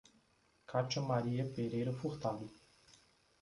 Catia Maria Pereira Furtado